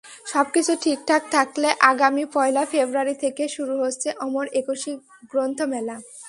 সবকিছু ঠিকঠাক থাকলে আগামী পয়লা ফেব্রুয়ারি থেকে শুরু হচ্ছে অমর একুশে গ্রন্থমেলা।